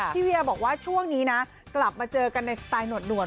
เวียบอกว่าช่วงนี้นะกลับมาเจอกันในสไตล์หนวด